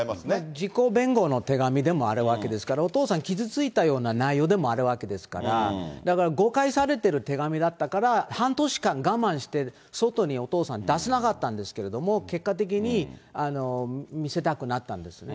自己弁護の手紙でもあるわけですから、お父さん傷ついたような内容でもあるわけですから、だから誤解されている手紙だったから、半年間我慢して、外にお父さん、出さなかったんですけれども、結果的に見せたくなったんですね。